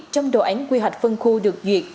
trong đồ án quy hoạch phân khu được duyệt